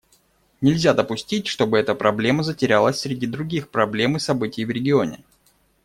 Нельзя допустить, чтобы эта проблема затерялась среди других проблем и событий в регионе.